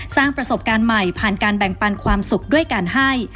สร้างประสบการณ์ใหม่ผ่านการแบ่งปันความสุขด้วยการให้